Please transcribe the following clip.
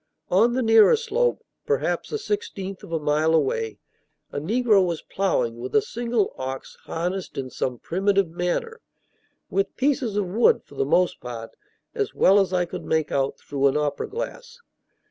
On the nearer slope, perhaps a sixteenth of a mile away, a negro was ploughing, with a single ox harnessed in some primitive manner, with pieces of wood, for the most part, as well as I could make out through an opera glass.